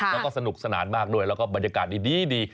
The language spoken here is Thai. แล้วก็สนุกสนานมากด้วยแล้วก็บรรยากาศดี